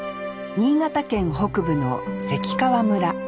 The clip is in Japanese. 新潟県北部の関川村。